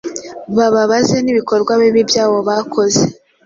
Bababaze nibikorwa bibi byabo bakoze